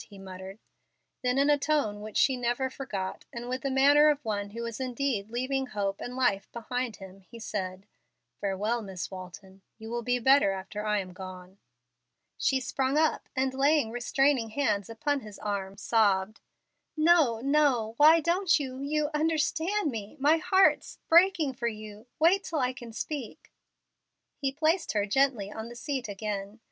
he muttered. Then, in a tone which she never forgot, and with the manner of one who was indeed leaving hope and life behind him, he said, "Farewell, Miss Walton; you will be better after I am gone." She sprung up, and laying restraining hands upon his arm, sobbed, "No no. Why don't you you understand me? My heart's breaking for you wait till I can speak." He placed her gently on the seat again.